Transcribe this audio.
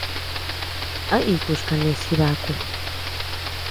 ¿A iku chi kenés Jibaku?